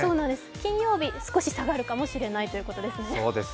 金曜日、少し下がるかもしれないということですね。